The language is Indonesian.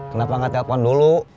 kenapa gak telepon dulu